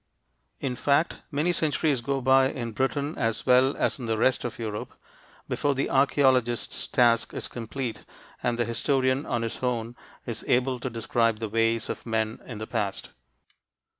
In fact, many centuries go by, in Britain as well as in the rest of Europe, before the archeologist's task is complete and the historian on his own is able to describe the ways of men in the past.